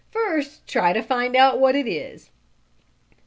First try to find out what it is."